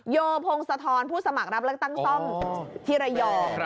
โยโพงสะทอนผู้สมัครรับและตั้งซ่อมที่ระย่อ